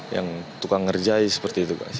yang tukang ngerjai seperti itu pak